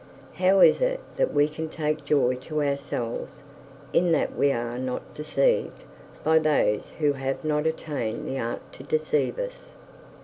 How is it that we can take joy to ourselves in that we are not deceived by those who have not attained the art to deceive us?